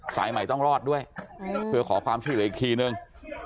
สายใหม่ต้องรอดด้วยเพื่อขอความช่วยเหลืออีกทีนึง